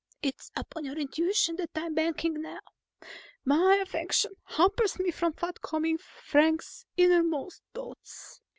It is upon your intuitions that I'm banking now. My affection hampers me from fathoming Frank's inner most thoughts.